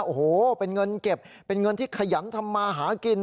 โอ้โหเป็นเงินเก็บเป็นเงินที่ขยันทำมาหากิน